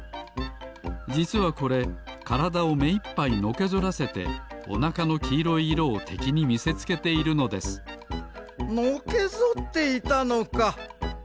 じつはこれからだをめいっぱいのけぞらせておなかのきいろい色をてきにみせつけているのですのけぞっていたのか。